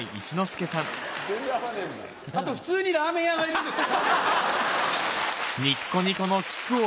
あと普通にラーメン屋がいるんですけど。